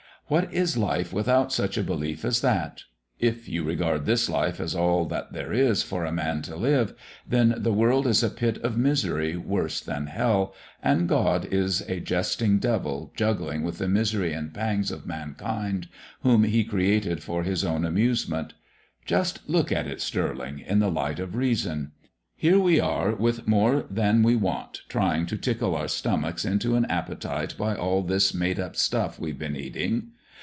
What is life without such a belief as that? If you regard this life as all that there is for a man to live, then the world is a pit of misery worse than hell, and God is a jesting devil juggling with the misery and the pangs of mankind whom He created for His own amusement. Just look at it, Stirling, in the light of reason. Here we are with more than we want, trying to tickle our stomachs into an appetite by all this made up stuff we've been eating.